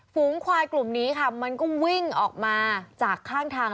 ฝูงควายกลุ่มนี้ค่ะมันก็วิ่งออกมาจากข้างทาง